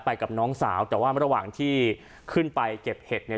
กับน้องสาวแต่ว่าระหว่างที่ขึ้นไปเก็บเห็ดเนี่ย